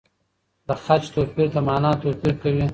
د خج توپیر د مانا توپیر کوي.